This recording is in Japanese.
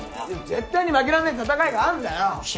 絶対に負けらんねえ戦いがあんだよ！